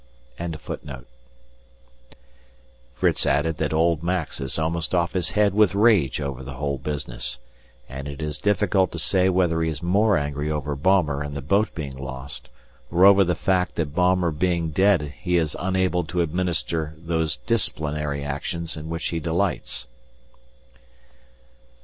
] Fritz added that old Max is almost off his head with rage over the whole business, and it is difficult to say whether he is more angry over Baumer and the boat being lost, or over the fact that Baumer being dead he is unable to administer those "disciplinary actions" in which he delights.